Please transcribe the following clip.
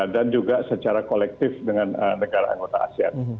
dan juga secara kolektif dengan negara anggota asean